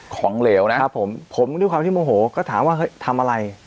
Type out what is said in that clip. ของเหลวนะครับผมผมด้วยความที่โมโหก็ถามว่าเฮ้ยทำอะไร